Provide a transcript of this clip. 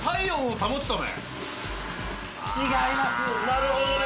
なるほどね。